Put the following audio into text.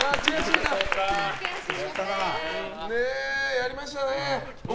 やりましたね。